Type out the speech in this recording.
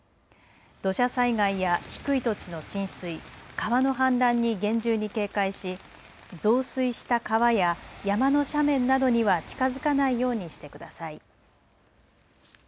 土砂災害や低い土地の浸水、川の氾濫に厳重に警戒し増水した川や山の斜面などには近づかないようにしてください。